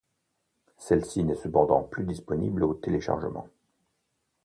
Celle-ci n'est cependant plus disponible au téléchargement.